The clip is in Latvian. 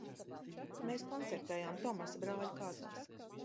Mēs koncertējām Tomasa brāļa kāzās.